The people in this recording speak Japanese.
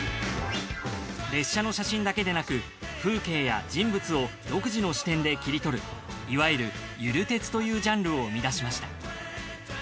列車の写真だけでなく風景や人物を独自の視点で切り取るいわゆるゆる鉄というジャンルを生み出しました。